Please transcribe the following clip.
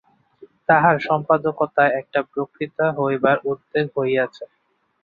তাঁহার সম্পাদকতায় একটা বক্তৃতা হইবার উদ্যোগ হইতেছে।